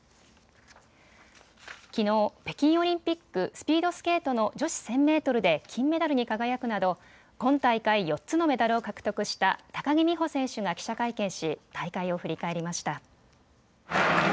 きのう、北京オリンピックスピードスケートの女子１０００メートルで金メダルに輝くなど、今大会４つのメダルを獲得した高木美帆選手が記者会見し大会を振り返りました。